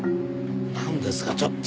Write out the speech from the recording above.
なんですかちょっと。